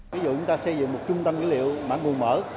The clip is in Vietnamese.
ví dụ chúng ta xây dựng một trung tâm dữ liệu mã nguồn mở